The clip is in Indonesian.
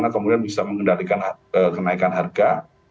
kemudian bisa mengendalikan kenaikan harga